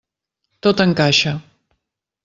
Tot encaixa.